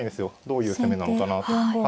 どういう攻めなのかな。